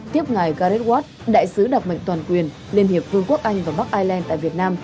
tiếp ngài gareth watt đại sứ đặc mệnh toàn quyền liên hiệp vương quốc anh và bắc ireland tại việt nam